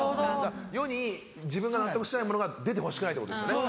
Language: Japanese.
世に自分が納得しないものが出てほしくないってことですよね。